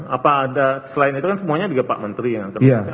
apa ada selain itu kan semuanya juga pak menteri yang akan bekerja